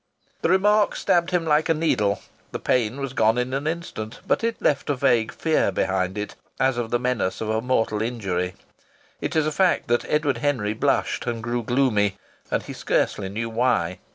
The remark stabbed him like a needle; the pain was gone in an instant, but it left a vague fear behind it, as of the menace of a mortal injury. It is a fact that Edward Henry blushed and grew gloomy and he scarcely knew why.